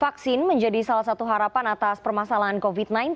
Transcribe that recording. vaksin menjadi salah satu harapan atas permasalahan covid sembilan belas